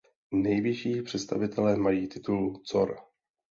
Nejvyšší představitelé mají titul „Cor“.